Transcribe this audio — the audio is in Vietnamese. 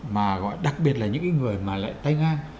mà gọi đặc biệt là những người mà lại tay ngang